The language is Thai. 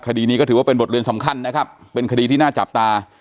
คดีนี้ก็ถือว่าเป็นบทเรียนสำคัญนะครับเป็นคดีที่น่าจับตา